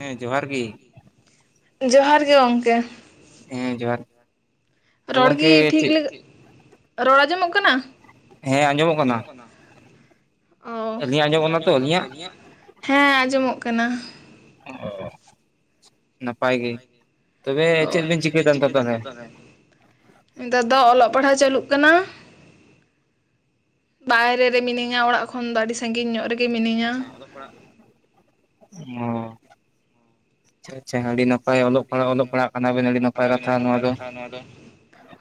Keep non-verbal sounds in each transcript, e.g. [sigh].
ᱦᱮᱸ ᱡᱚᱦᱟᱨ ᱜᱤ᱾ ᱡᱚᱦᱟᱨ ᱜᱮ ᱜᱚᱝᱠᱮ᱾ ᱦᱩᱸ ᱡᱚᱦᱟᱨ ᱾ ᱨᱚᱲ ᱜᱤ ᱴᱷᱤᱠ ᱞᱤᱠ ᱨᱚᱲ ᱟᱸᱡᱚᱢᱚᱜ ᱠᱟᱱᱟ᱾ ᱦᱮᱸ ᱟᱧᱡᱚᱢᱚᱜ ᱠᱟᱱᱟ᱾ ᱟᱹᱞᱤᱧᱟᱜ ᱟᱧᱡᱚᱢᱚᱜ ᱠᱟᱱᱟ ᱛᱚ ᱟᱹᱞᱤᱧᱟᱜ᱾ ᱦᱮᱸ ᱟᱸᱡᱚᱢᱚᱜ ᱠᱟᱱᱟ᱾ ᱚ ᱱᱟᱯᱟᱭ ᱜᱮ ᱛᱚᱵᱮ ᱪᱮᱫ ᱵᱤᱱ ᱪᱤᱠᱟᱹᱭ ᱫᱟ ᱱᱤᱛᱚᱜ ᱛᱟᱦᱚᱞᱮ? [inaudible] ᱫᱚᱫᱚ ᱚᱞᱚᱜ ᱯᱟᱲᱦᱟᱣ ᱪᱟᱹᱞᱩᱜ ᱠᱟᱱᱟ᱾ ᱵᱟᱭᱨᱮ ᱨᱮ ᱢᱤᱱᱟᱹᱧᱟ ᱚᱲᱟᱜ ᱠᱷᱚᱱ ᱫᱚ ᱟᱰᱤ ᱥᱟᱺᱜᱤᱧ ᱧᱚᱜ ᱨᱮ ᱜᱮ ᱢᱤᱱᱟᱹᱧᱟ᱾ ᱚ ᱚᱲᱟᱜ ᱦᱚᱸ᱾ ᱟᱪᱷᱟ ᱟᱪᱷᱟ ᱟᱹᱰᱤ ᱱᱟᱯᱟᱭ ᱚᱞᱚᱜ ᱯᱟᱲᱦᱟᱜ ᱚᱞᱚᱜ ᱯᱟᱲᱦᱟᱜ ᱠᱟᱱᱟ ᱵᱮᱱ ᱟᱹᱰᱤ ᱱᱟᱯᱟᱭ ᱠᱟᱛᱷᱟ ᱱᱚᱶᱟ ᱫᱚ᱾ ᱱᱚᱶᱟ ᱫᱚ᱾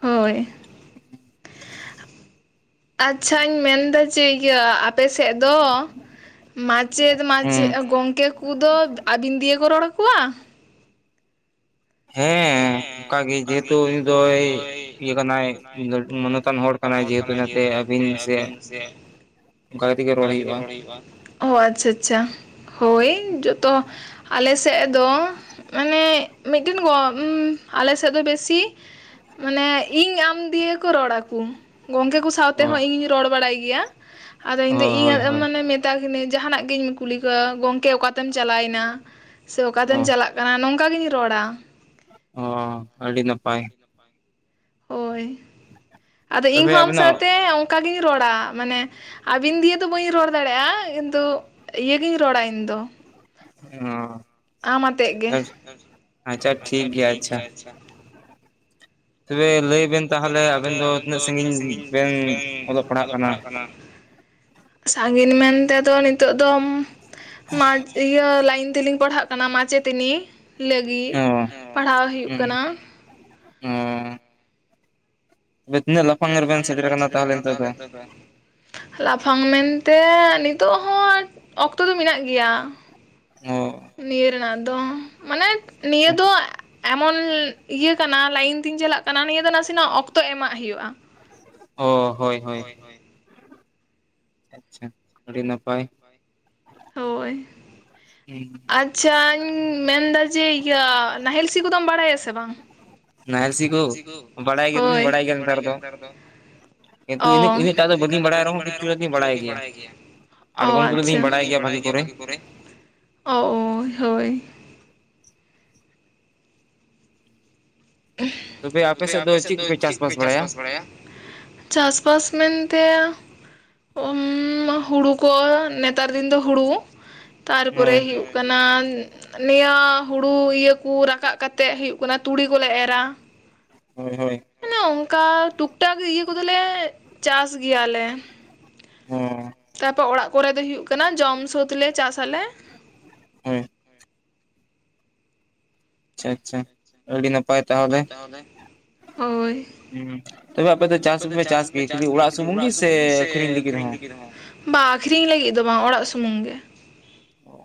ᱦᱚᱭ᱾ ᱟᱪᱷᱟᱧ ᱢᱮᱱᱫᱟ ᱡᱮ ᱤᱭᱟ ᱟᱯᱼᱼ ᱯᱮ ᱥᱮᱫ ᱫᱚ ᱢᱟᱪᱮᱫᱽ ᱢᱟᱪᱮᱜ ᱜᱚᱝᱠᱮ ᱠᱚᱼᱼ ᱠᱩ ᱫᱚ ᱵᱮ ᱟᱵᱤᱱ ᱫᱤᱭᱮᱹ ᱠᱚ ᱨᱚᱲᱟ ᱠᱚᱣᱟᱼᱼ ᱦᱮᱸ᱾ ᱚᱱᱠᱟ ᱜᱮ ᱡᱮ ᱦᱮᱛᱩ ᱩᱱᱤ ᱫᱚᱭ ᱤᱭᱟᱹ ᱠᱟᱱᱟᱭ ᱞᱚ ᱢᱟᱱᱚᱛᱟᱱ ᱦᱚᱲ ᱠᱟᱱᱟᱭ ᱡᱮ ᱦᱮᱛᱩ ᱱᱟᱛᱮᱼᱼ ᱫᱮ ᱟᱹᱵᱤᱱ ᱥᱮᱫᱼᱼ ᱚᱱᱠᱟ ᱠᱟᱛᱮᱜ ᱜᱮ ᱨᱚᱲ ᱦᱩᱭᱩᱜ-ᱟ᱾ ᱦᱩᱭᱩᱜ-ᱟ᱾ ᱚ ᱟᱪᱪᱷᱟ ᱟᱪᱷᱟᱪᱟ᱾ ᱦᱚᱭ ᱡᱚᱛᱚ ᱟᱞᱮ ᱥᱮᱫ ᱫᱚ ᱢᱟᱱᱮ ᱢᱤᱫᱴᱤᱱ ᱜᱚᱼᱼ ᱩ ᱟᱞᱮ ᱥᱮᱫ ᱫᱚ ᱵᱮᱥᱤ ᱢᱟᱱᱮ ᱤᱧ ᱟᱢ ᱫᱤᱭᱟᱹ ᱠᱚ ᱨᱚᱲᱟ ᱠᱩ᱾ ᱜᱚᱝᱠᱮ ᱠᱚ ᱥᱟᱶᱛᱮ ᱦᱚᱸ ᱤᱧ ᱨᱚᱲ ᱵᱟᱲᱟᱭ ᱜᱮᱭᱟ ᱾ᱟᱫᱚ ᱤᱧ ᱫᱚ ᱤᱭᱟᱹ ᱤᱧ ᱢᱟᱱᱮ ᱢᱮᱛᱟ ᱠᱤᱱᱤᱧ ᱡᱟᱦᱟᱸ ᱱᱟᱜ ᱜᱤᱧ ᱠᱩᱞᱤ ᱠᱚᱣᱟ ᱜᱚᱝᱠᱮ ᱚᱠᱟ ᱛᱮᱢ ᱪᱟᱞᱟᱭᱮᱱᱟ ᱥᱮ ᱚᱠᱟ ᱛᱮᱢ ᱪᱟᱞᱟᱜ ᱼᱼ ᱠᱟᱱᱟ ᱱᱚᱝᱠᱟ ᱜᱤᱧ ᱨᱚᱲᱟ᱾ ᱦᱚᱸ ᱟᱹᱰᱤ ᱱᱟᱯᱟᱭ᱾ ᱵᱟᱝ᱾ ᱦᱳᱭ, ᱟᱫᱚ ᱤᱧ ᱦᱚᱸ ᱟᱢ ᱥᱟᱶᱛᱮ ᱚᱱᱠᱟ ᱜᱤᱧ ᱨᱚᱲᱟ ᱢᱟᱱᱮ ᱟᱵᱤᱱ ᱫᱤᱭᱟᱹ ᱫᱚ ᱵᱟᱹᱧ ᱨᱚᱲ ᱫᱟᱲᱮᱭᱟᱜ-ᱟ ᱠᱤᱱᱛᱩ ᱤᱭᱟᱹ ᱜᱤᱧ ᱨᱚᱲᱟ ᱤᱧ ᱫᱚ᱾ ᱚ ᱪᱷᱟ [inaudible] ᱟᱪᱷᱟ ᱴᱷᱤᱠ ᱜᱮᱭᱟ ᱟᱪᱷᱟ᱾ ᱪᱷᱟ᱾ ᱛᱚᱵᱮ ᱞᱟᱹᱭ ᱵᱮᱱ ᱛᱟᱦᱚᱞᱮ ᱟᱵᱮᱱ ᱫᱚ ᱛᱤᱱᱟᱹᱜ ᱥᱟᱺᱜᱤᱧ ᱵᱮᱱ ᱚᱞᱚᱜ ᱯᱟᱲᱦᱟᱜ ᱠᱟᱱᱟ? ᱥᱟᱸᱜᱤᱱ ᱢᱮᱱ ᱛᱮ ᱫᱚ ᱱᱤᱛᱚᱜ ᱫᱚᱢ ᱢᱟᱡᱽᱼᱼ ᱤᱭᱟᱹ ᱞᱟᱭᱤᱱ ᱛᱮ ᱞᱤᱧ ᱯᱟᱲᱦᱟᱜ ᱠᱟᱱᱟ ᱢᱟᱪᱮᱛᱟᱹᱱᱤ ᱞᱟᱹᱜᱤᱫ ᱯᱟᱲᱦᱟᱣ ᱦᱩᱭᱩᱜ ᱠᱟᱱᱟ᱾ ᱦᱩᱸᱻ [unintelligible] ᱨᱮᱱ ᱞᱟᱯᱷᱟᱝ ᱢᱮᱱᱛᱮ ᱱᱤᱛᱚᱜ ᱦᱚᱸ ᱚᱠᱛᱚ ᱫᱚ ᱢᱮᱱᱟᱜ ᱜᱮᱭᱟ᱾ ᱚᱻ ᱱᱤᱭᱟᱹ ᱨᱮᱱᱟᱜ ᱫᱚ ᱢᱟᱱᱮ ᱱᱤᱭᱟᱹ ᱫᱚᱼᱼ ᱮᱢᱚᱱ ᱤᱭᱟᱹ ᱠᱟᱱᱟ ᱞᱟᱭᱤᱱ ᱛᱤᱧ ᱪᱟᱞᱟᱜ ᱠᱟᱱᱟ ᱱᱤᱭᱟᱹ ᱫᱚ ᱱᱟᱥᱤ ᱱᱟᱜ ᱚᱠᱛᱚ ᱮᱢᱟᱜ ᱦᱩᱭᱩᱜ-ᱟ᱾ ᱚ ᱦᱚᱭ᱾ ᱦᱚᱭ ᱦᱚᱭ᱾ ᱟᱪᱪᱷᱟ ᱟᱹᱰᱤ ᱱᱟᱯᱟᱭ᱾ ᱦᱳᱭ᱾ [unintelligible] ᱟᱪᱪᱷᱟ ᱤᱧ ᱢᱮᱱᱫᱟ ᱡᱮ ᱤᱭᱟᱹ ᱱᱟᱦᱮᱞ ᱥᱤ ᱠᱚᱫᱚᱢ ᱵᱟᱲᱟᱭᱟ ᱥᱮ ᱵᱟᱝ? ᱢᱟᱱᱮ ᱥᱤ ᱠᱚ ᱦᱳᱭ ᱵᱟᱲᱟᱭ ᱜᱮᱭᱟ ᱱᱮᱛᱟᱨ ᱫᱚ᱾ [unintelligible] ᱚ ᱟᱪᱪᱷᱟ ᱤᱱᱟ. ᱜ ᱫᱩᱧ ᱵᱟᱲᱟᱭ ᱜᱮᱭᱟ ᱵᱷᱟᱜᱤ ᱠᱚᱨᱮ ᱚ ᱦᱳᱭ᱾ ᱛᱚᱵᱮ ᱟᱯᱮ ᱥᱮᱫ ᱫᱚ ᱪᱮᱫ ᱯᱮ ᱪᱟᱥᱵᱟᱥ ᱵᱟᱲᱟᱭᱟ? ᱪᱟᱥᱵᱟᱥ ᱢᱮᱱᱛᱮ ᱦᱩᱲᱩ ᱠᱚ ᱱᱮᱛᱟᱨ ᱫᱤᱱ ᱫᱚ ᱦᱩᱲᱩ ᱛᱟᱨᱯᱚᱨᱮ ᱦᱩᱭᱩᱜ ᱠᱟᱱᱟ ᱱᱤᱭᱟᱹ ᱦᱩᱲᱩ ᱤᱭᱟᱹ ᱠᱚ ᱨᱟᱠᱟᱵ ᱠᱟᱛᱮᱫ ᱦᱩᱭᱩᱜ ᱠᱟᱱᱟ ᱛᱩᱲᱤ ᱠᱚᱞᱮ ᱮᱨᱟ᱾ ᱦᱚᱭ ᱦᱚᱭ᱾ ᱢᱟᱱᱮ ᱚᱱᱠᱟ ᱴᱩᱠᱴᱟᱠ ᱤᱭᱟᱹ ᱠᱚᱫᱚᱞᱮ ᱪᱟᱥ ᱜᱮᱭᱟᱞᱮ᱾ ᱛᱟᱯᱚᱨ ᱚᱲᱟᱜ ᱠᱚᱨᱮ ᱫᱚ ᱦᱩᱭᱩᱜ ᱠᱟᱱᱟ ᱡᱚᱢ ᱥᱟᱹᱫᱽ ᱞᱮ ᱪᱟᱥ ᱟᱞᱮ᱾ ᱟᱪᱪᱷᱟ ᱟᱪᱪᱷᱟ ᱟᱹᱰᱤ ᱱᱟᱯᱟᱭ᱾ ᱦᱚᱭ ᱛᱟᱦᱚᱞᱮ ᱦᱳᱭ᱾ ᱦᱩᱸ ᱛᱚᱵᱮ ᱟᱯᱮ ᱫᱚ ᱪᱟᱥ ᱦᱚᱯᱮ ᱪᱟᱥ ᱜᱮ ᱠᱷᱟᱹᱞᱤ ᱚᱲᱟᱜ ᱥᱩᱢᱩᱝ ᱜᱮ ᱥᱮ ᱟ. ᱠᱷᱨᱤᱧ ᱞᱟᱹᱜᱤᱫ ᱦᱚᱸ? ᱵᱟᱝ ᱟ. ᱠᱷᱨᱤᱧ ᱞᱟᱹᱜᱤᱫ ᱫᱚ ᱵᱟᱝ ᱚᱲᱟᱜ ᱥᱩᱢᱩᱝ ᱜᱮ᱾ ᱚ᱾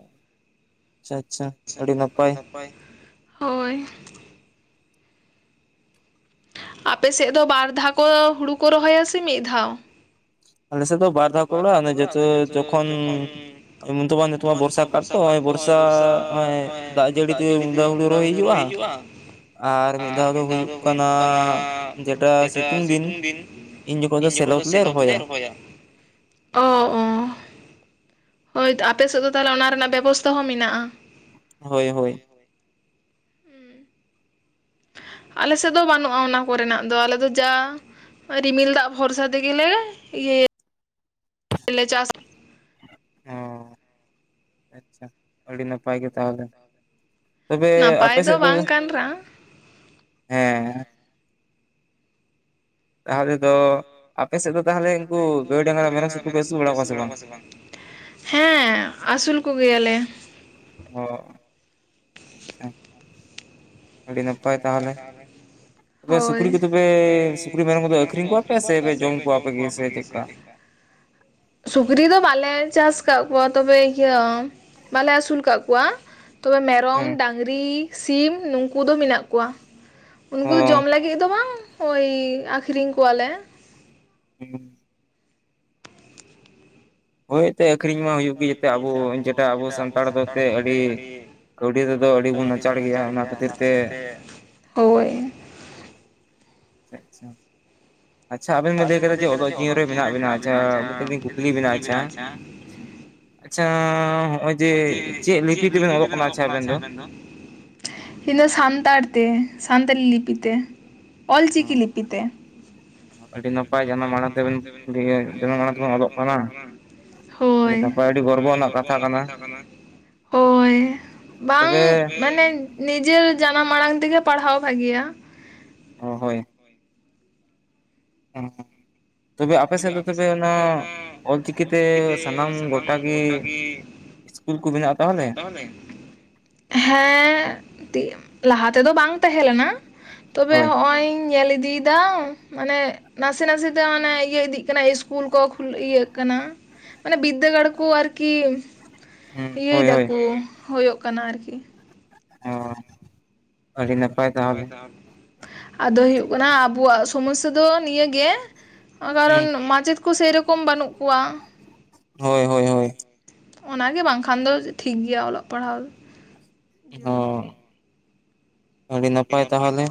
ᱟᱪᱪᱷᱟ ᱟᱹᱰᱤ ᱱᱟᱯᱟᱭ ᱦᱳᱭ᱾ ᱟᱯᱮ ᱥᱮᱫ ᱫᱚ ᱵᱟᱨ ᱫᱷᱟᱣ ᱠᱚ ᱦᱩᱲᱩ ᱠᱚ ᱨᱚᱦᱚᱭᱟ ᱥᱮ ᱢᱤᱫ ᱫᱷᱟᱣ? ᱟᱞᱮ ᱥᱮᱫ ᱫᱚ ᱵᱟᱨ ᱫᱷᱟᱣ ᱠᱚ ᱨᱚᱦᱚᱭᱟ᱾ ᱡᱚᱛᱚ ᱡᱚᱠᱷᱚᱱ [unintelligible] ᱦᱩᱭᱩᱜ-ᱟ ᱟᱨ ᱢᱤᱫ ᱫᱷᱟ. ᱣ ᱫᱚ ᱦᱩᱭᱩᱜ ᱠᱟᱱᱟ ᱡᱮᱴᱟ ᱥᱤᱛᱩᱝ ᱫᱤᱱ᱾ ᱤᱱ ᱡᱚᱠᱷᱚᱱ ᱫᱚ ᱥᱮᱞᱚ ᱛᱮᱞᱮ ᱨᱚᱦᱚᱭᱟ ᱦᱳᱭ ᱛᱚ ᱟᱯᱮ ᱥᱮᱫ ᱫᱚ ᱛᱟᱦᱚᱞᱮ ᱚᱱᱟ ᱨᱮᱱᱟᱜ ᱵᱮᱵᱚᱥᱛᱟ ᱦᱚᱸ ᱢᱮᱱᱟᱜᱼᱟ ᱦᱳᱭ ᱦᱳᱭ ᱟᱞᱮ ᱥᱮᱫ ᱫᱚ ᱵᱟᱹᱱᱩᱜᱼᱟ ᱚᱱᱟ ᱠᱚᱨᱮᱱᱟᱜ ᱫᱚ ᱟᱞᱮ ᱫᱚ ᱡᱟ ᱨᱤᱢᱤᱞ ᱫᱟᱜ ᱵᱷᱚᱨᱥᱟ ᱛᱮᱜᱮ ᱞᱮ ᱪᱟᱥᱟ ᱟᱪᱪᱷᱟ ᱟᱹᱰᱤ ᱱᱟᱯᱟᱭ ᱜᱮ ᱛᱟᱦᱚᱞᱮ ᱛᱚᱵᱮ ᱟᱯᱮ ᱥᱮᱫ ᱫᱚ ᱦᱮᱸ ᱛᱟᱦᱚᱞᱮ ᱫᱚ ᱟᱯᱮ ᱥᱮᱫ ᱫᱚ ᱛᱟᱦᱚᱞᱮ ᱩᱱᱠᱩ ᱜᱟᱹᱭ ᱰᱟᱝᱜᱨᱟ ᱢᱮᱨᱚᱢ ᱥᱩᱠᱨᱤ ᱯᱮ ᱟᱹᱥᱩᱞ ᱟᱠᱟᱫ ᱠᱚᱣᱟ ᱥᱮ ᱵᱟᱝ? ᱦᱮᱸ ᱟᱹᱥᱩᱞ ᱠᱚᱜᱮᱭᱟᱞᱮ᱾ ᱚ ᱟᱪᱪᱷᱟ᱾ ᱟᱹᱰᱤ ᱱᱟᱯᱟᱭ ᱛᱟᱦᱚᱞᱮ᱾ ᱦᱳᱭ ᱥᱩᱠᱨᱤ ᱠᱚᱫᱚ ᱯᱮ ᱥᱩᱠᱨᱤ ᱢᱮᱨᱚᱢ ᱠᱚᱫᱚ ᱟᱹᱠᱷᱨᱤᱧ ᱠᱚᱣᱟᱯᱮ ᱥᱮ ᱯᱮ ᱡᱚᱢ ᱠᱚᱣᱟ ᱟᱯᱮ ᱜᱮ ᱥᱮ ᱪᱮᱫ ᱞᱮᱠᱟ? [unintelligible] ᱥᱩᱠᱨᱤ ᱫᱚ ᱵᱟᱞᱮ ᱪᱟᱥ ᱟᱠᱟᱫ ᱠᱚᱣᱟ ᱛᱚᱵᱮ ᱤᱭᱟᱹ ᱵᱟᱞᱮ ᱟᱹᱥᱩᱞ ᱟᱠᱟᱫ ᱠᱚᱣᱟ ᱛᱚᱵᱮ ᱢᱮᱨᱚᱢ ᱰᱟᱝᱨᱤ ᱥᱤᱢ ᱱᱩᱝᱠᱩ ᱫᱚ ᱢᱮᱱᱟᱜ ᱠᱚᱣᱟ ᱩᱱᱠᱩ ᱫᱚ ᱡᱚᱢ ᱞᱟᱹᱜᱤᱫ ᱫᱚ ᱵᱟᱝ ᱳᱭ ᱟᱹᱠᱷᱨᱤᱧ ᱠᱚᱣᱟᱞᱮ [inaudible] ᱦᱳᱭ ᱮᱱᱛᱮᱫ ᱟᱹᱠᱷᱨᱤᱧ ᱢᱟ ᱦᱩᱭᱩᱜ ᱜᱮ ᱡᱟᱛᱮ ᱟᱵᱚ ᱡᱮᱴᱟ ᱟᱵᱚ ᱥᱟᱱᱛᱟᱲ ᱫᱚ ᱮᱱᱛᱮᱫ ᱟᱹᱰᱤ ᱠᱟᱹᱣᱰᱤ ᱨᱮᱫᱚ ᱟᱹᱰᱤ ᱵᱚᱱ ᱱᱟᱪᱟᱨ ᱜᱮᱭᱟ ᱚᱱᱟ ᱠᱷᱟᱹᱛᱤᱨ ᱛᱮ ᱟᱪᱪᱷᱟ ᱟᱪᱪᱷᱟ ᱟᱵᱮᱱ ᱵᱮᱱ ᱞᱟᱹᱭ ᱠᱮᱫᱟ ᱡᱮ ᱚᱞᱚᱜ ᱡᱤᱭᱟᱹᱱ ᱨᱮ ᱢᱮᱱᱟᱜ ᱵᱮᱱᱟ ᱟᱪᱷᱟ ᱢᱤᱫ ᱴᱮᱱ ᱞᱤᱧ ᱠᱩᱠᱞᱤ ᱵᱮᱱᱟ ᱟᱪᱪᱷᱟ ᱟᱪᱪᱷᱟ ᱦᱚᱜᱼᱚᱭ ᱡᱮ ᱪᱮᱫ ᱞᱤᱯᱤ ᱛᱮᱵᱮᱱ ᱚᱞᱚᱜ ᱠᱟᱱᱟ ᱟᱪᱪᱷᱟ ᱟᱵᱮᱱ ᱫᱚ ᱤᱧ ᱫᱚ ᱥᱟᱱᱛᱟᱲ ᱛᱮ ᱥᱟᱱᱛᱟᱲᱤ ᱞᱤᱯᱤ ᱛᱮ ᱚᱞᱪᱤᱠᱤ ᱞᱤᱯᱤ ᱛᱮ ᱟᱹᱰᱤ ᱱᱟᱯᱟᱭ ᱡᱟᱱᱟᱢ ᱢᱟᱲᱟᱝ ᱛᱮᱵᱮᱱ ᱡᱟᱱᱟᱢ ᱟᱲᱟᱝ ᱛᱮᱵᱮᱱ ᱚᱞᱚᱜ ᱠᱟᱱᱟ ᱟᱹᱰᱤ ᱱᱟᱯᱟᱭ ᱟᱹᱰᱤ ᱜᱚᱨᱵᱚ ᱟᱱᱟᱜ ᱠᱟᱛᱷᱟ ᱠᱟᱱᱟ ᱦᱳᱭ ᱵᱟᱝ ᱢᱟᱱᱮ ᱱᱤᱡᱮᱨ ᱡᱟᱱᱟᱢ ᱟᱲᱟᱝ ᱛᱮᱜᱮ ᱯᱟᱲᱦᱟᱣ ᱵᱷᱟᱜᱮᱭᱟ ᱚ ᱦᱳᱭ [inaudible] ᱛᱚᱵᱮ ᱟᱯᱮ ᱥᱮᱫ ᱫᱚ ᱛᱚᱵᱮ ᱚᱱᱟ ᱚᱞᱪᱤᱠᱤᱛᱮ ᱥᱟᱱᱟᱢ ᱜᱚᱴᱟᱜᱮ ᱤᱥᱠᱩᱞ ᱠᱚ ᱢᱮᱱᱟᱜᱼᱟ ᱛᱟᱦᱚᱞᱮ ᱦᱮᱸ ᱞᱟᱦᱟ ᱛᱮᱫᱚ ᱵᱟᱝ ᱛᱟᱦᱮᱸ ᱞᱮᱱᱟ ᱛᱚᱵᱮ ᱦᱚᱜᱼᱚᱭ ᱧᱮᱞ ᱤᱫᱤᱭᱮᱫᱟ ᱢᱟᱱᱮ ᱱᱟᱥᱮ ᱱᱟᱥᱮ ᱛᱮ ᱢᱟᱱᱮ ᱤᱭᱟᱹ ᱤᱫᱤᱜ ᱠᱟᱱᱟ ᱤᱥᱠᱩᱞ ᱠᱚ ᱤᱭᱟᱹᱜ ᱠᱟᱱᱟ ᱢᱟᱱᱮ ᱵᱤᱫᱽᱫᱟᱹᱜᱟᱲ ᱠᱚ ᱟᱨᱠᱤ ᱤᱭᱟᱹᱭ ᱫᱟ ᱠᱚ ᱦᱳᱭᱳ ᱠᱟᱱᱟ ᱟᱨᱠᱤ [inaudible] ᱟᱹᱰᱤ [inaudible] ᱱᱟᱯᱟᱭ ᱛᱟᱦᱟᱞᱮ ᱟᱫᱚ ᱦᱩᱭᱩᱜ ᱠᱟᱱᱟ ᱟᱵᱚᱣᱟᱜ ᱥᱚᱢᱚᱥᱥᱟ ᱫᱚ ᱱᱤᱭᱟᱹᱜᱮ ᱠᱟᱨᱚᱱ ᱢᱟᱪᱮᱫ ᱠᱚ ᱥᱮᱭᱨᱚᱠᱚᱢ ᱵᱟᱹᱱᱩᱜ ᱠᱚᱣᱟ ᱦᱳᱭ ᱦᱳᱭ ᱦᱳᱭ ᱚᱱᱟᱜᱮ ᱵᱟᱝᱠᱷᱟᱱ ᱫᱚ ᱴᱷᱤᱠ ᱜᱮᱭᱟ ᱚᱞᱚᱜ ᱯᱟᱲᱦᱟᱣ ᱦᱚ ᱟᱹᱰᱤ ᱱᱟᱯᱟᱭ ᱛᱟᱦᱚᱞᱮ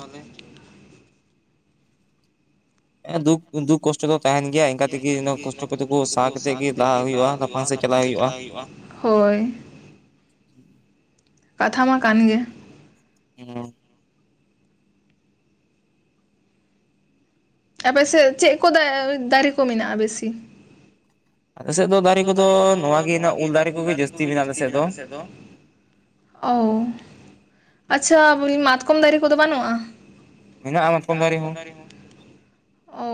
ᱫᱩᱠ ᱫᱩᱠ ᱠᱚᱥᱴᱚ ᱫᱚ ᱛᱟᱦᱮᱱ ᱜᱮᱭᱟ ᱤᱱᱠᱟ ᱛᱮᱜᱮ ᱠᱚᱥᱴᱚ ᱠᱚ ᱵᱚᱱ ᱥᱟᱦ ᱠᱟᱛᱮᱜ ᱜᱮ ᱞᱟᱦᱟ ᱦᱩᱭᱩᱜᱼᱟ ᱞᱟᱯᱝ ᱥᱮᱫ ᱪᱟᱞᱟᱜ ᱦᱩᱭᱩᱜᱼᱟ ᱦᱳᱭ ᱠᱟᱛᱷᱟ ᱢᱟ ᱠᱟᱱ ᱜᱮ [inaudible] ᱟᱯᱮᱥᱮᱫ ᱪᱮᱫ ᱠᱚ ᱫᱟᱨᱮ ᱠᱚ ᱢᱮᱱᱟᱜᱼᱟ ᱵᱮᱥᱤ ᱟᱞ ᱥᱮᱫ ᱫᱚ ᱫᱟᱨᱮ ᱠᱚᱫᱚ ᱱᱚᱣᱟ ᱜᱮ‌ ᱢᱮᱱᱟᱜ ᱩᱞ ᱫᱟᱨᱮ ᱠᱚᱜᱮ ᱡᱟᱹᱥᱛᱤ ᱢᱮᱱᱟᱜᱼᱟ ᱟᱞ ᱥᱮᱫ ᱫᱚ ᱚ ᱟᱪᱷᱟ ᱵᱚᱞᱤ ᱢᱟᱛᱠᱚᱢ ᱫᱟᱨᱮ ᱠᱚᱫᱚ ᱵᱟᱹᱱᱩᱜᱼᱟ ᱢᱮᱱᱟᱜᱼᱟ ᱢᱟᱛᱠᱚᱢ ᱫᱟᱨᱮ ᱦᱚᱸ ᱚ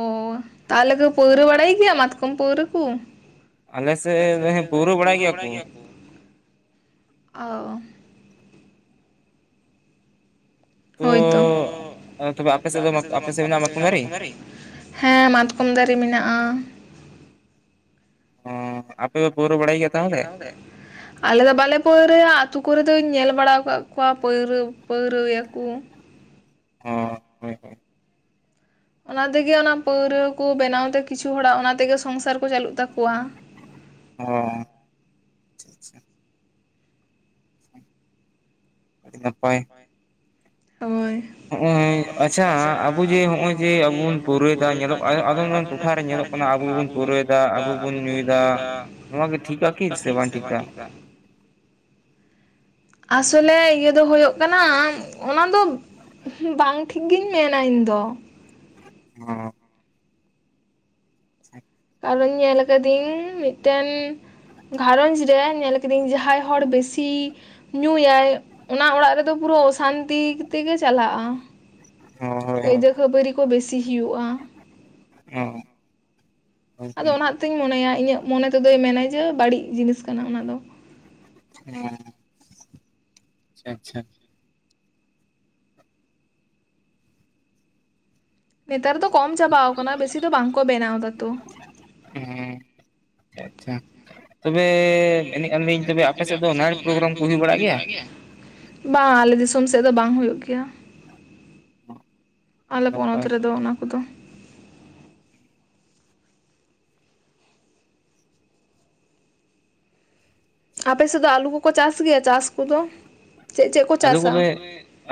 ᱛᱟᱦᱚᱞᱮ ᱠᱚ ᱯᱟᱹᱣᱨᱟᱹ ᱵᱟᱲᱟᱭ ᱜᱮᱭᱟ ᱢᱟᱛᱠᱚᱢ ᱯᱟᱹᱣᱨᱟᱹ ᱠᱚ ᱟᱞᱮ ᱥᱮ ᱦᱮᱸ ᱯᱟᱹᱣᱨᱟᱹᱵᱟᱲᱟᱭ ᱜᱮᱭᱟ ᱠᱚ ᱚ ᱦᱳᱭ ᱛᱚ ᱛᱚᱵᱮ ᱟᱯᱮ ᱥᱮᱫ‌ ᱟᱯᱮ ᱥᱮᱫ ᱢᱮᱱᱟᱜ-ᱟ ᱢᱟᱹᱛᱠᱚᱢ ᱫᱟᱨᱮ ᱦᱮᱸ ᱢᱟᱛᱠᱚᱢ ᱫᱟᱨᱮ ᱢᱮᱱᱟᱜᱼᱟ᱾ ᱯᱳᱨᱳᱣ ᱵᱟᱲᱟᱭ ᱜᱮ ᱛᱟᱦᱚᱞᱮ ᱟᱞᱮ ᱫᱚ ᱵᱟᱞᱮ ᱯᱟᱹᱣᱨᱟᱹᱭᱟ ᱟᱹᱛᱩ ᱠᱚᱨᱮ ᱫᱚᱧ ᱧᱮᱞ ᱵᱟᱲᱟ ᱟᱠᱟᱫ ᱠᱚᱣᱟ ᱯᱟᱹᱣᱨᱟᱹ ᱯᱟᱹᱣᱨᱟᱹ ᱭᱟᱠᱚ ᱦᱚ ᱦᱳᱭ ᱦᱳᱭ ᱚᱱᱟ ᱛᱮᱜᱮ ᱚᱱᱟ ᱯᱟᱹᱣᱨᱟᱹ ᱠᱚ ᱵᱮᱱᱟᱣ ᱛᱮ ᱠᱤᱪᱷᱩ ᱦᱚᱲᱟᱜ ᱚᱱᱟ ᱛᱮᱜᱮ ᱥᱚᱝᱥᱟᱨ ᱠᱚ ᱪᱟᱹᱞᱩᱜ ᱛᱟᱠᱚᱣᱟ ᱚ [unintelligible] [inaudible] ᱟᱹᱰᱤ ᱱᱯᱟᱭ ᱦᱳᱭ ᱦᱚᱜ ᱚᱭ ᱟᱪᱷᱟ ᱟᱵᱚ ᱡᱮ ᱱᱚᱜᱼᱚᱭ ᱡᱮ ᱟᱵᱚᱵ ᱵᱚᱱ ᱯᱩᱨᱨᱟᱹᱭ ᱫᱟ ᱧᱮᱞᱚᱜ ᱟᱫᱢ ᱟᱫᱢ ᱴᱚᱴᱷᱟᱨ ᱨᱮ ᱧᱮᱞᱚᱜ ᱠᱟᱱᱟ ᱟᱵᱚᱵᱚᱱ ᱯᱩᱨᱟᱹᱣ ᱫᱟ ᱟᱵᱚ ᱵᱚᱱ ᱧᱩᱭ ᱫᱟ ᱱᱚᱣᱟ ᱮᱜ ᱴᱷᱤᱠ-ᱟ ᱠᱤ ᱥᱮ ᱵᱟᱝ ᱴᱷᱤᱠᱟ ᱟᱥᱚᱞᱮ ᱤᱭᱟᱹ ᱫᱚ ᱦᱳᱭᱳᱜ ᱠᱟᱱᱟ ᱚᱱᱟ ᱫᱚ ᱵᱟᱝ ᱴᱷᱤᱠ ᱜᱤᱧ ᱢᱮᱱᱟ ᱤᱧ ᱫᱚ ᱦᱚᱸ [inaudible] ᱟᱨᱚᱧ ᱧᱮᱞ ᱟᱠᱟᱫᱤᱧ ᱢᱤᱫᱴᱮᱱ ᱜᱷᱟᱨᱚᱸᱡᱽ ᱨᱮ ᱧᱮᱞ ᱠᱤᱫᱟᱹᱧ ᱡᱟᱦᱟᱸᱭ ᱦᱚᱲ ᱵᱮᱥᱤ ᱧᱩᱭᱟᱭ ᱚᱱᱟ ᱚᱲᱟᱜ ᱨᱮᱫᱚ ᱯᱩᱨᱟᱹ ᱚᱥᱟᱱᱛᱤ ᱛᱮᱜᱮ ᱪᱟᱞᱟᱜᱼᱟ ᱠᱟᱹᱭᱡᱟᱹ ᱠᱷᱟᱹᱯᱟᱹᱨᱤ ᱠᱚ ᱵᱮᱥᱤ ᱦᱩᱭᱩᱜᱼᱟ᱾ [unintelligible] ᱟᱫᱚ ᱚᱱᱟᱛᱤᱧ ᱢᱚᱱᱮᱭᱟ ᱤᱧᱟᱹᱜ ᱢᱚᱱᱮ ᱛᱮᱫᱚᱭ ᱢᱮᱱᱟ ᱡᱮ ᱵᱟᱹᱲᱤᱡ ᱡᱤᱱᱤᱥ ᱠᱟᱱᱟ ᱚᱱᱟ ᱫᱚ [inaudible] ᱟᱪᱪᱷᱟᱼᱟᱪᱪᱷᱟ ᱱᱮᱛᱟᱨ ᱫᱚ ᱠᱚᱢ ᱪᱟᱵᱟᱣ ᱟᱠᱟᱱᱟ ᱵᱮᱥᱤ ᱫᱚ ᱵᱟᱝ ᱠᱚ ᱵᱮᱱᱟᱣᱫᱟ ᱛᱚ ᱦᱮᱸ ᱟᱪᱪᱷᱟ ᱟᱪᱪᱷᱟ ᱛᱚᱵᱮ ᱢᱮᱱᱮᱫ ᱟᱞᱤᱧ ᱛᱚᱵᱮ ᱟᱯᱮᱥᱮᱫ ᱫᱚ ᱱᱟᱨ ᱯᱨᱳᱜᱨᱟᱢ ᱠᱚ ᱦᱩᱭ ᱵᱟᱲᱟᱜ ᱜᱮᱭᱟ ᱵᱟᱝ ᱟᱞᱮ ᱫᱤᱥᱚᱢ ᱥᱮᱫ ᱫᱚ ᱵᱟᱝ ᱦᱩᱭᱩᱜ ᱜᱮᱭᱟ ᱟᱞᱮ ᱯᱚᱱᱚᱛ ᱨᱮᱫᱚ ᱚᱱᱟ ᱠᱚᱫᱚ ᱟᱯᱮ ᱥᱮᱫ ᱫᱚ ᱟᱞᱩ ᱠᱚᱠᱚ ᱪᱟᱥ ᱜᱮᱭᱟ ᱪᱟᱥ ᱠᱚᱫᱚ ᱪᱮᱫᱼᱪᱮᱫ ᱠᱚ ᱪᱟᱥᱟ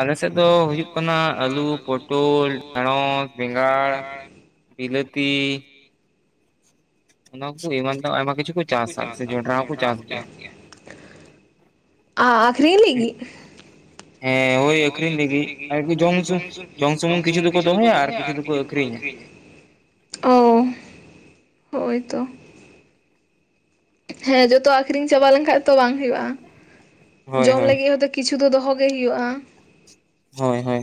ᱟᱞ ᱥᱮᱫ ᱫᱚ ᱦᱩᱭᱩᱜ ᱠᱟᱱᱟ ᱟᱹᱞᱩ ᱯᱚᱴᱚᱞ ᱰᱮᱲᱚᱥ ᱵᱮᱸᱜᱟᱲ ᱵᱤᱞᱟᱹᱛᱤ ᱚᱱᱟ ᱠᱚ ᱮᱢᱟᱱ ᱠᱚ ᱟᱭᱢᱟ ᱠᱤᱪᱷᱩ ᱠᱚ ᱪᱟᱥᱟ ᱥᱮ ᱡᱚᱱᱰᱨᱟ ᱦᱚᱸᱠᱚ ᱪᱟᱥ ᱜᱮᱭᱟ ᱟᱼᱟᱠᱷᱨᱤᱧ ᱞᱤᱜᱤᱫ ᱦᱮᱸ ᱚᱭ ᱟᱹᱠᱷᱨᱤᱧ ᱞᱟᱹᱜᱤᱫ ᱟᱨ ᱡᱚᱢ ᱥᱩ ᱡᱚᱢ ᱥᱩᱢᱩᱝ ᱠᱤᱪᱷᱩ ᱫᱚᱠᱚ ᱫᱚᱦᱚᱭᱟ ᱟᱨ ᱠᱤᱪᱷᱩ ᱫᱚᱠᱚ ᱟᱹᱠᱷ [inaudible] ᱟᱠᱷᱨᱤᱧ [inaudible] ᱚᱻ ᱦᱳᱭ ᱛᱚ ᱦᱮᱸ ᱡᱚᱛᱚ ᱟᱹᱠᱷᱨᱤᱧ ᱪᱟᱵᱟ ᱞᱮᱱᱠᱷᱟᱱ ᱛᱚ ᱵᱟᱝ ᱦᱩᱭᱩᱜᱼᱟ᱾ ᱡᱚᱢ ᱞᱟᱹᱜᱤᱫ ᱦᱚᱸᱛᱚ ᱠᱤᱪᱷᱩ ᱫᱚ ᱫᱚᱦᱚ ᱜᱮ ᱦᱩᱭᱩᱜᱼᱟ᱾ ᱦᱳᱭ ᱦᱳᱭ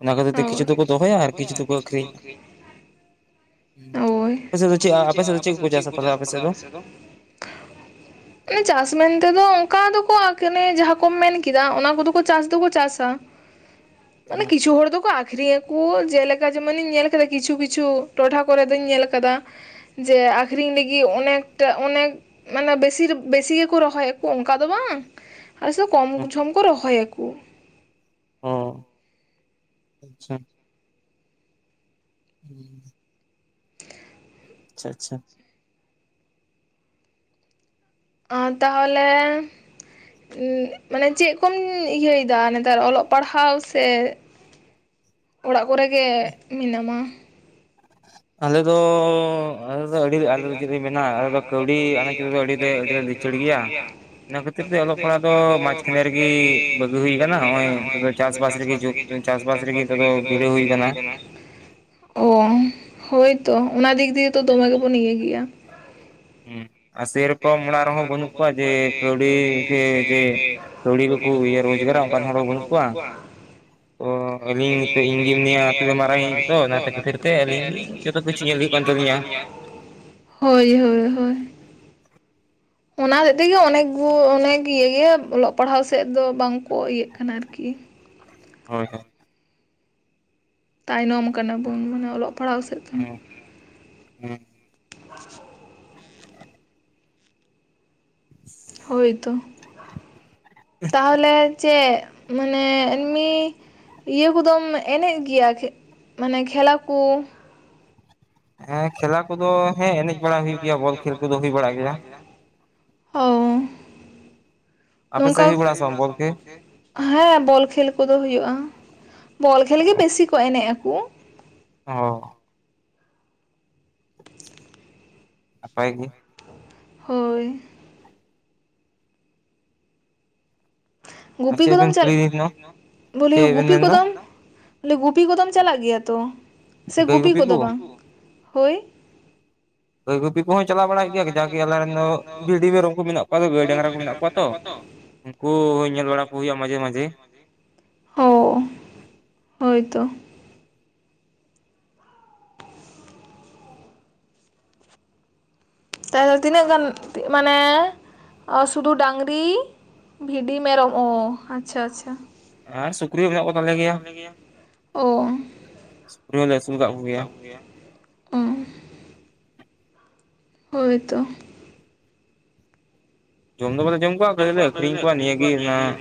ᱚᱱᱟ ᱠᱷᱟᱹᱛᱤᱨ ᱛᱮ ᱠᱤᱪᱷᱩ ᱫᱚᱠᱚ ᱫᱚᱦᱚᱭᱟ ᱟᱨ ᱠᱤᱪᱷᱩ ᱫᱚᱠᱚ ᱟᱹᱠᱷᱨᱤᱧᱼᱟ᱾ ᱟᱯᱮ ᱥᱮᱫ ᱫᱚ ᱪᱮᱫ ᱟᱯᱮ ᱥᱮᱫ ᱫᱚ ᱪᱮᱫ ᱠᱚᱠᱚ ᱪᱟᱥᱟ ᱛᱟᱦᱚᱞᱮ ᱟᱯᱮ ᱥᱮᱫ ᱫᱚ? ᱪᱟᱥ ᱢᱮᱱᱛᱮ ᱫᱚ ᱚᱱᱠᱟ ᱫᱚᱠᱚ ᱟᱠᱱᱮ ᱡᱟᱦᱟᱸ ᱠᱚᱢ ᱢᱮᱱ ᱠᱮᱫᱟ ᱚᱱᱟ ᱠᱚᱫᱚ ᱠᱚ ᱪᱟᱥ ᱫᱚᱠᱚ ᱪᱟᱥᱟ [inaudible] ᱢᱟᱱᱮ ᱠᱤᱪᱷᱩ ᱦᱚᱲ ᱫᱚ ᱟᱹᱠᱷᱨᱤᱧ ᱟᱠᱚ ᱡᱮᱞᱮᱠᱟ ᱤᱧ ᱧᱮᱞ ᱠᱟᱫᱟ ᱠᱤᱪᱷᱩ ᱠᱤᱪᱷᱩ ᱴᱚᱴᱷᱟ ᱠᱚᱨᱮ ᱫᱚᱧ ᱧᱮᱞ ᱠᱟᱫᱟ ᱡᱮ ᱟᱹᱠᱷᱨᱤᱧ ᱞᱟᱹᱜᱤᱫ ᱚᱱᱮᱠᱴᱟ ᱚᱱᱮᱠ ᱢᱟᱱᱮ ᱵᱮᱥᱤᱨ ᱵᱮᱥᱤ ᱜᱮᱠᱚ ᱨᱚᱦᱚᱭᱟᱠᱚ ᱚᱱᱠᱟ ᱫᱚ ᱵᱟᱝ ᱟᱞᱥᱮ ᱠᱚᱢ ᱡᱷᱚᱢ ᱠᱚ ᱨᱚᱦᱚᱭ ᱟᱠᱚ ᱦᱚᱸ ᱟᱪᱷᱟ [inaudible] ᱟᱪᱷᱟ ᱟᱪᱷᱟ ᱟᱨ ᱛᱟᱦᱚᱞᱮ ᱢᱟᱱᱮ ᱪᱮᱫ ᱠᱚᱢ ᱤᱭᱟᱹᱭ ᱫᱟ ᱱᱮᱛᱟᱨ ᱚᱞᱚᱜ ᱯᱟᱲᱦᱟᱣ ᱥᱮ [inaudible] ᱚᱲᱟᱜ ᱠᱚᱨᱮ ᱜᱮ ᱢᱮᱱᱟᱢᱟ ᱟᱞᱮ ᱫᱚ ᱟᱞᱮ ᱫᱚ ᱟᱹᱰᱤ ᱟᱞᱮ ᱪᱮᱫ ᱞᱮ ᱢᱮᱱᱟ ᱟᱞᱮ ᱫᱚ ᱠᱟᱹᱣᱰᱤ ᱟᱱᱟᱡ ᱨᱮᱫᱚ ᱟᱹᱰᱤ ᱞᱮ ᱟᱹᱰᱤ ᱞᱮ ᱞᱤᱪᱟ. ᱲ ᱜᱮᱭᱟ ᱤᱱᱟ ᱠᱷᱟᱹᱛᱤᱨ ᱛᱮ ᱚᱞᱚᱜ ᱯᱟᱲᱦᱟᱜ ᱫᱚ ᱢᱟᱪ ᱠᱷᱟ. ᱱᱤ ᱨᱮᱜᱮ ᱵᱟᱹᱜᱤ ᱦᱩᱭ ᱠᱟᱱᱟ ᱱᱚᱜᱼᱚᱭ ᱪᱟᱥ ᱵᱟᱥ ᱨᱮᱜᱮ [inaudible] ᱪᱟᱥᱼᱵᱟᱥ ᱨᱮᱜᱮ ᱱᱤᱛᱚᱜ ᱫᱚ ᱵᱷᱤᱲᱳ ᱦᱩᱭ ᱠᱟᱱᱟ ᱳ ᱦᱳᱭ ᱛᱚ ᱚᱱᱟ ᱫᱤᱠ ᱫᱤᱭᱮ ᱫᱚ ᱫᱚᱢᱮ ᱜᱮᱵᱚᱱ ᱤᱭᱟᱹ ᱜᱮᱭᱟ ᱦᱩᱸ ᱟᱨ ᱥᱮ ᱨᱚᱠᱚᱢ [unintelligible] ᱦᱚᱸ ᱵᱟᱹᱱᱩᱜ ᱠᱚᱣᱟ ᱡᱮ ᱠᱟᱹᱣᱰᱤ ᱜᱮ ᱡᱮ ᱠᱟᱹᱣᱰᱤ ᱠᱚᱠᱚ ᱨᱳᱡᱽᱜᱟᱨᱟ ᱚᱱᱠᱟᱱ ᱦᱚᱲ ᱦᱚᱸ ᱵᱟᱹᱱᱩᱜ ᱠᱚᱣᱟ ᱩᱱᱠᱩᱣᱟᱜ ᱚ ᱟᱹᱞᱤᱧ ᱱᱤᱛᱚᱜ ᱤᱧᱜᱮ ᱢᱤᱱᱤᱧᱟ ᱛᱚᱵᱮ ᱢᱟᱨᱟᱝ ᱛᱚ ᱚᱱᱟ ᱛᱮ ᱠᱷᱟᱹᱛᱤᱨ ᱛᱮ ᱟᱹᱞᱤᱧ ᱜᱤ ᱡᱚᱛ ᱡᱷᱚᱛᱚ ᱠᱤᱪᱷᱩ ᱧᱮᱞ ᱦᱩᱭᱩᱜ ᱠᱟᱱ ᱛᱟᱹᱞᱤᱧ ᱟ᱾ ᱦᱳᱭ ᱦᱳᱭ ᱦᱳᱭ ᱚᱱᱟ ᱥᱮᱫ ᱛᱮᱜᱮ ᱚᱱᱮᱠ ᱠᱚ ᱚᱱᱮᱠ ᱤᱭᱟᱹ ᱜᱮᱭᱟ ᱚᱞᱚᱜ ᱯᱟᱲᱦᱟᱜ ᱥᱮᱫ ᱫᱚ ᱵᱟᱝ ᱠᱚ ᱤᱭᱟᱹᱜ ᱠᱟᱱᱟ ᱟᱨᱠᱤ ᱦᱳᱭ ᱦᱚᱭ ᱛᱟᱭᱱᱚᱢ ᱠᱟᱱᱟ ᱵᱚᱱ ᱢᱟᱱᱮ ᱚᱞᱚᱜ ᱯᱟᱲᱦᱟᱣ ᱥᱮᱫ ᱠᱷᱚᱱ ᱦᱮᱸ ᱦᱳᱭ ᱛᱚ ᱛᱟᱦᱚᱞᱮ ᱪᱮᱫ ᱢᱟᱱᱮ ᱮᱱᱢᱤ ᱤᱭᱟᱹ ᱠᱚᱫᱚᱢ ᱮᱱᱮᱡ ᱜᱮᱭᱟ ᱢᱟᱱᱮ ᱠᱷᱮᱞᱟ ᱠᱚ ᱦᱮᱸ ᱠᱷᱮᱞᱟ ᱠᱚᱫᱚ ᱦᱮᱸ ᱮᱱᱮᱡ ᱵᱟᱲᱟ ᱦᱩᱭᱩᱜ ᱜᱮᱭᱟ ᱵᱚᱞ ᱠᱷᱮᱞ ᱠᱚᱫᱚ ᱦᱩᱭ ᱵᱟᱲᱟᱜ ᱜᱮᱭᱟ ᱦᱚ ᱛᱚ ᱱᱚᱝᱠᱟ ᱦᱮᱸ ᱵᱚᱞ ᱠᱷᱮᱞ ᱠᱚᱫᱚ ᱦᱩᱭᱩᱜᱼᱟ ᱵᱚᱞ ᱠᱷᱮᱞ ᱜᱮ ᱵᱮᱥᱤ ᱠᱚ ᱮᱱᱮᱡ ᱟᱠᱚ ᱚ ᱱᱟᱯᱟᱭ ᱜᱮ ᱦᱳᱭ ᱜᱩᱯᱤ ᱠᱚᱫᱚᱢ ᱪᱟᱞᱟᱜ ᱵᱚᱞᱤ ᱜᱩᱯᱤ ᱠᱚᱫᱚᱢ ᱵᱚᱞᱮ ᱜᱩᱯᱤ ᱠᱚᱫᱚᱢ ᱪᱟᱞᱟᱜ ᱜᱮᱭᱟ ᱛᱚ ᱥᱮ ᱜᱩᱯᱤ ᱠᱚᱫᱚ ᱵᱟᱝ ᱦᱳᱭ ᱦᱳᱭ ᱜᱩᱯᱤ ᱠᱚᱦᱚᱸᱧ ᱪᱟᱞᱟᱣ ᱵᱟᱲᱟᱭ ᱜᱮᱭᱟ ᱡᱟᱜᱮ ᱟᱞᱮᱨᱮᱱ ᱫᱚ ᱵᱷᱤᱰᱤ ᱢᱮᱨᱚᱢ ᱠᱚ ᱢᱮᱱᱟᱜ ᱠᱚᱣᱟ ᱜᱟᱹᱭ ᱰᱟᱝᱨᱟ ᱠᱚ ᱢᱮᱱᱟᱜ ᱠᱚᱣᱟ ᱛᱚ ᱩᱱᱠᱩ ᱧᱮᱞ ᱵᱟᱲᱟ ᱠᱚ ᱦᱩᱭᱩᱜᱼᱟ ᱢᱟᱡᱷᱮ ᱢᱟᱡᱷᱮ ᱚ ᱦᱳᱭ ᱛᱚ ᱛᱟᱦᱞᱮ ᱛᱤᱱᱟᱹᱜ ᱜᱟᱱ ᱢᱟᱱᱮ ᱥᱩᱫᱷᱩ ᱰᱟᱝᱨᱤ ᱵᱷᱤᱰᱤ ᱢᱮᱨᱚᱢ ᱚ ᱟᱪᱷᱟ ᱟᱪᱷᱟ ᱟᱨ ᱥᱩᱠᱨᱤ ᱦᱚᱸ ᱢᱮᱱᱟᱜ ᱠᱚ ᱛᱟᱞᱮ ᱜᱮᱭᱟ ᱚ [inaudible] ᱦᱚᱸ ᱦᱳᱭ ᱛᱚ ᱡᱚᱢ ᱫᱚ ᱵᱟᱞᱮ ᱡᱚᱢ ᱠᱚᱣᱟ ᱠᱷᱟᱹᱞᱤ ᱞᱮ ᱟᱠᱷᱨᱤᱧ ᱠᱚᱣᱟ ᱱᱤᱭᱟᱹ ᱜᱮᱸᱦᱟᱜ